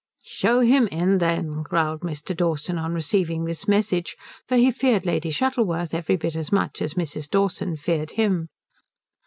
"Show him in, then," growled Mr. Dawson on receiving this message; for he feared Lady Shuttleworth every bit as much as Mrs. Dawson feared him.